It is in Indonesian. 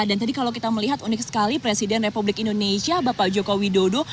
dan tadi kalau kita melihat unik sekali presiden republik indonesia bapak joko widodo